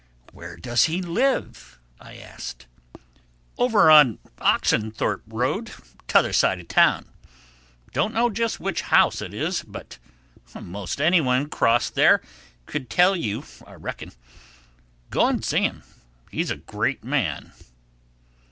"Where does he live?" I asked. "Over on the Oxenthorpe Road, t'other side the town. Don't know just which house it is, but 'most anyone 'cross there could tell you, I reckon. Go and see him. He's a great man."